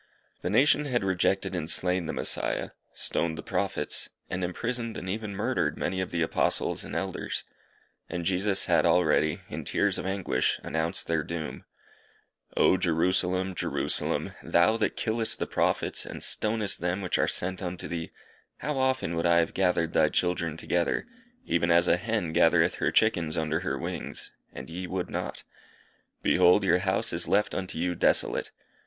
The nation had rejected and slain the Messiah, stoned the Prophets, and imprisoned and even murdered many of the Apostles and Elders; and Jesus had already, in tears of anguish, announced their doom "_O Jerusalem, Jerusalem, thou that killest the Prophets, and stonest them which are sent unto thee, how often would I have gathered thy children together, even as a hen gathereth her chickens under her wings, and ye would not! Behold, your house is left unto you desolate.